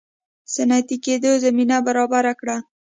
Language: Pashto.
صنعتي کېدو زمینه برابره کړه.